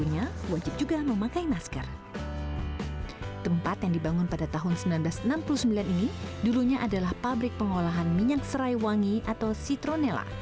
tempat yang dibangun pada tahun seribu sembilan ratus enam puluh sembilan ini dulunya adalah pabrik pengolahan minyak serai wangi atau citronella